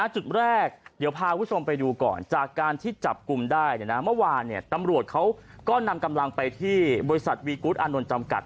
จุดแรกเดี๋ยวพาคุณผู้ชมไปดูก่อนจากการที่จับกลุ่มได้เมื่อวานตำรวจเขาก็นำกำลังไปที่บริษัทวีกูธอานนท์จำกัด